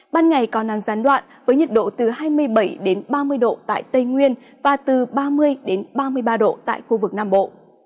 ban ngày có năng gián đoạn với nhiệt độ từ hai mươi bảy ba mươi độ tại tây nguyên và từ ba mươi ba mươi ba độ tại khu vực nam bộ